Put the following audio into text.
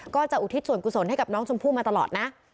ก็จะอุทิศส่วนกุศลให้กับน้องชมพู่มาตลอดนะ